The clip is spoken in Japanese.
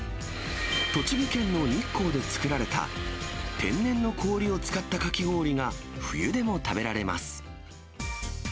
栃木県の日光で作られた天然の氷を使ったかき氷が冬でも食べられます。